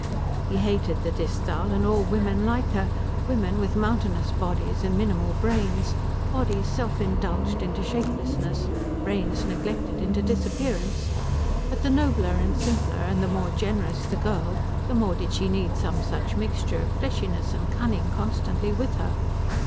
He hated the Disthal and all women like her, women with mountainous bodies and minimal brains bodies self indulged into shapelessness, brains neglected into disappearance; but the nobler and simpler and the more generous the girl the more did she need some such mixture of fleshliness and cunning constantly with her.